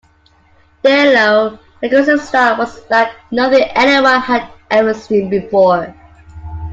Their low, aggressive style was like nothing anyone had ever seen before.